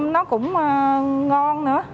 nó cũng ngon nữa